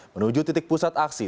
menuju titik pusat aksi